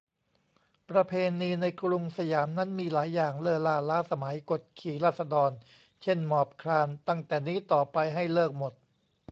"ประเพณีในกรุงสยามนั้นมีหลายอย่างเล่อล่าล้าสมัย กดขี่ราษฎร เช่น หมอบคลาน ตั้งแต่นี้ต่อไปให้เลิกหมด"